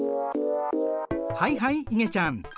はいはいいげちゃん。